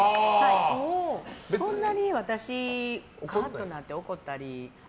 そんなに私カーッとなって怒ったりは。